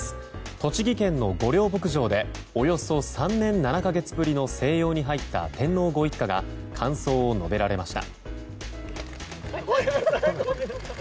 栃木県の御料牧場でおよそ３年７か月ぶりの静養に入った天皇ご一家が感想を述べられました。